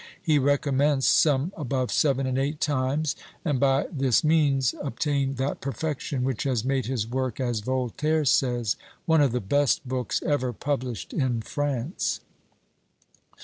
He recommenced some above seven and eight times, and by this means obtained that perfection which has made his work, as Voltaire says, "one of the best books ever published in France."